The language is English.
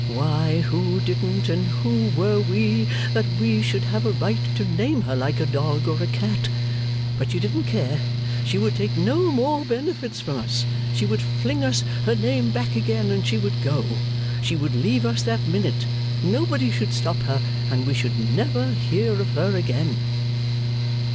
Why, who didn't; and who were we that we should have a right to name her like a dog or a cat? But she didn't care. She would take no more benefits from us; she would fling us her name back again, and she would go. She would leave us that minute, nobody should stop her, and we should never hear of her again.